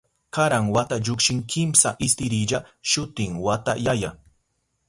Karan wata llukshin kimsa istirilla, shutin wata yaya.